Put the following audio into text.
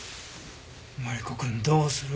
マリコ君どうする？